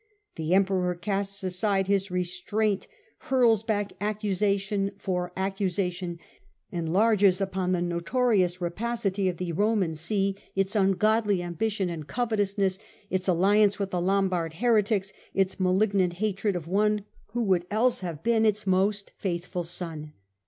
The Emperor casts aside his restraint, hurls back accusation for accusation, enlarges upon the notorious rapacity of the Roman See, its ungodly ambition and covetuousness, its alliance with the Lombard heretics, its malignant hatred of one who would else have been its most faithful son.